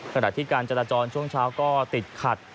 ขณะที่การจราจรช่วงเช้าก็ติดขัด